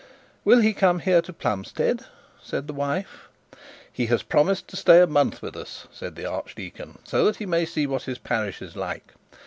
'Will he come here to Plumstead?' said the wife. 'He has promised to stay a month with us,' said the archdeacon, 'so that he may see what his parish is like.